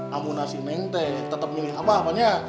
kamu nasi neng teh tetap milih apa paknya